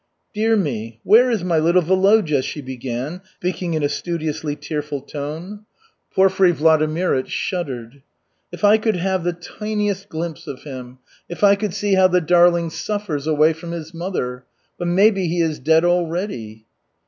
"Dear me, where is my little Volodya?" she began, speaking in a studiously tearful tone. Porfiry Vladimirych shuddered. "If I could have the tiniest glimpse of him, if I could see how the darling suffers away from his mother! But maybe he is dead already."